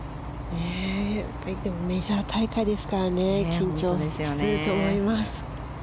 でもメジャー大会ですからね緊張すると思います。